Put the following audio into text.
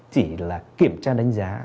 chỉ là kiểm tra đánh giá